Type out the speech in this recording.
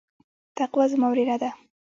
تقوا زما وريره ده.